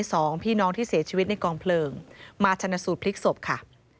สองพี่น้องที่เสียชีวิตในกองเพลิงมาชนะสูตรพลิกศพค่ะ